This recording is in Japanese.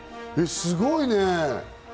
すごいね！